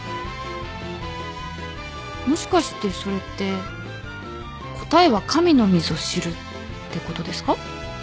もしかしてそれって答えは神のみぞ知るってことですか？